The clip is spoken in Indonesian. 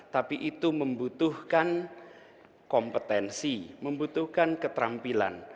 tapi itu membutuhkan kompetensi membutuhkan keterampilan